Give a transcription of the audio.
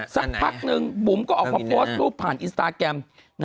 สักพักนึงบุ๋มก็ออกมาโพสต์รูปผ่านอินสตาแกรม